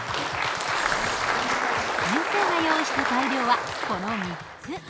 先生が用意した材料はこの３つ。